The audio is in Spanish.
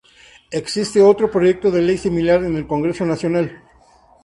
Existe otro proyecto de ley similar en el Congreso Nacional.